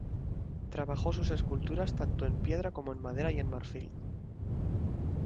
Trabajó sus esculturas tanto en piedra como en madera y en marfil.